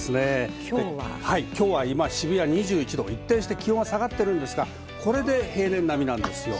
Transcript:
今日は渋谷２１度、一転して気温は下がっているんですが、これで平年並みです。